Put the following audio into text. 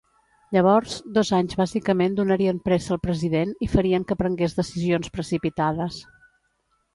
Llavors, dos anys bàsicament donarien pressa al president i farien que prengués decisions precipitades.